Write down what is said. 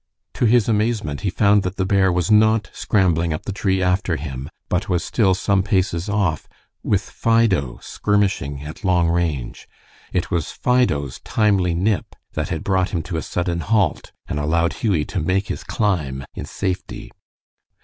To his amazement he found that the bear was not scrambling up the tree after him, but was still some paces off, with Fido skirmishing at long range. It was Fido's timely nip that had brought him to a sudden halt, and allowed Hughie to make his climb in safety.